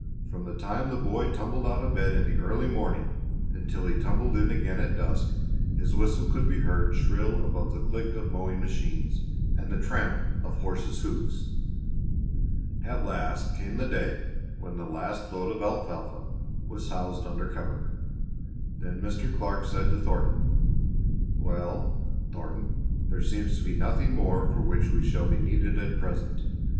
From the time the boy tumbled out of bed in the early morning until he tumbled in again at dusk his whistle could be heard shrill above the click of mowing machines, and the tramp of horses' hoofs. At last came the day when the last load of alfalfa was housed under cover; then Mr. Clark said to Thornton: "Well, Thornton, there seems to be nothing more for which we shall be needed at present.